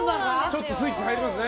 ちょっとスイッチ入りますね